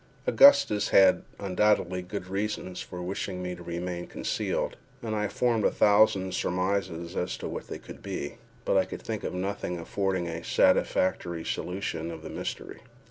Augustus had, undoubtedly, good reasons for wishing me to remain concealed, and I formed a thousand surmises as to what they could be—but I could think of nothing affording a satisfactory solution of the mystery.